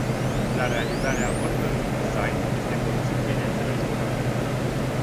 La realizarea oricărui sait este folosit bineînțeles un program.